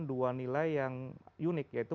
dua nilai yang unik yaitu